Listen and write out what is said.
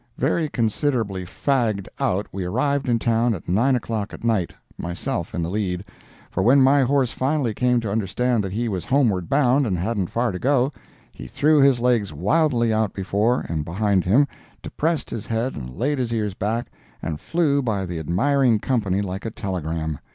Very considerably fagged out we arrived in town at 9 o'clock at night, myself in the lead—for when my horse finally came to understand that he was homeward bound and hadn't far to go, he threw his legs wildly out before and behind him, depressed his head and laid his ears back, and flew by the admiring company like a telegram.